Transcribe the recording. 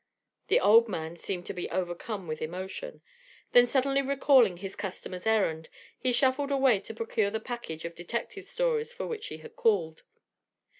The old man seemed to be overcome with emotion, then suddenly recalling his customer's errand, he shuffled away to procure the package of detective stories for which she had called.